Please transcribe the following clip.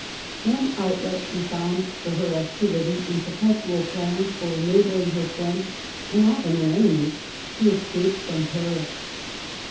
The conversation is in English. One outlet she found for her activity in perpetual plans for ena bling her friends, and often her enemies, to escape from Paris.